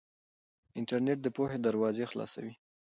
انټرنيټ د پوهې دروازې خلاصوي.